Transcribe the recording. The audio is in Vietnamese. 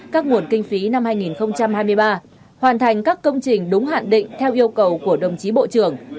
các nguồn kinh phí năm hai nghìn hai mươi ba hoàn thành các công trình đúng hạn định theo yêu cầu của đồng chí bộ trưởng